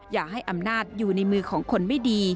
อย่าให้อำนาจอยู่ในมือของคนไม่ดี